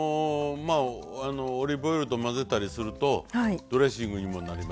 オリーブオイルと混ぜたりするとドレッシングにもなります。